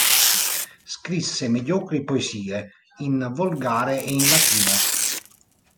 Scrisse mediocri poesie in volgare e in latino.